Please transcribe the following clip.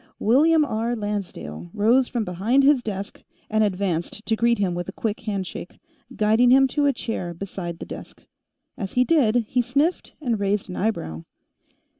William R. Lancedale rose from behind his desk and advanced to greet him with a quick handshake, guiding him to a chair beside the desk. As he did, he sniffed and raised an eyebrow.